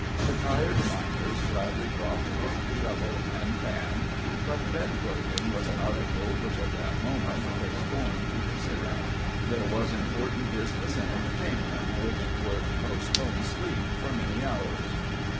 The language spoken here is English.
The tired miners gladly dropped pick, shovel, and pan, but bedclothing was an article which at that moment they scorned to consider; there was important business and entertainment, which would postpone sleep for many hours.